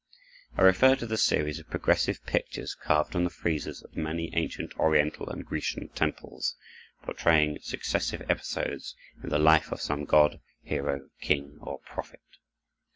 I refer to the series of progressive pictures carved on the friezes of many ancient Oriental and Grecian temples, portraying successive episodes in the life of some god, hero, king, or prophet.